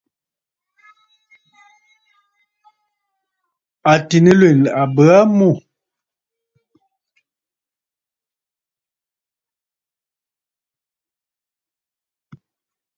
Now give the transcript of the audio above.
Àtì nɨlwèn a bə aa mû.